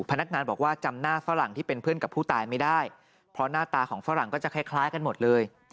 พนักงานบอกว่าจำหน้าฝรั่งที่เป็นเพื่อนกับผู้ตายไม่ได้เพราะหน้าตาของฝรั่งก็จะคล้ายกันหมดเลย